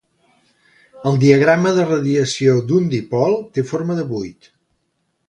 El diagrama de radiació d'un dipol té forma de vuit.